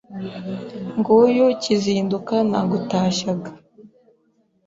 Nguyu Kizinduka nagutashyaga